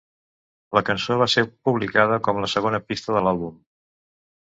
La cançó va ser publicada com la segona pista de l'àlbum.